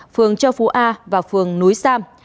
phường châu phú a và phường núi sam